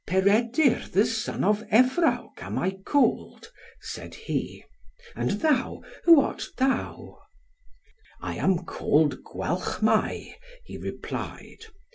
"Peredur the son of Evrawc am I called," said he, "and thou? Who art thou?" "I am called Gwalchmai," he replied.